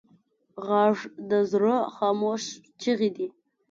غږ د زړه خاموش چیغې دي